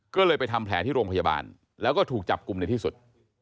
ก็เลยไปทำแผลที่โรงพยาบาลแล้วก็ถูกจับกลุ่มในที่สุด